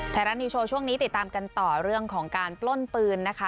ไทยรัฐนิวโชว์ช่วงนี้ติดตามกันต่อเรื่องของการปล้นปืนนะคะ